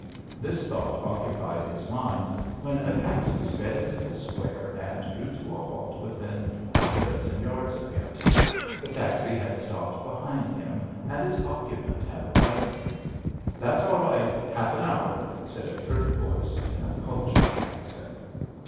This thought occupied his mind, when a taxi sped into the square and drew to a halt within half a dozen yards of him. The taxi had stopped behind him, and its occupant had alighted. "That's all right; half an hour," said a curt voice in a cultured accent.